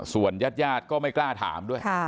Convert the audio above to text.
ส่วนญาติก็ไม่กล้าถามด้วย